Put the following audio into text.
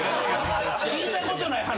聞いたことない話。